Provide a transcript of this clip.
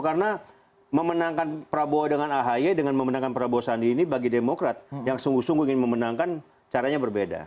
karena memenangkan prabowo dengan ahay dengan memenangkan prabowo sandy ini bagi demokrat yang sungguh sungguh ingin memenangkan caranya berbeda